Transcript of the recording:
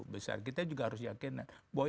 besar kita juga harus yakin bahwa